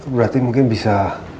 berarti mungkin bisa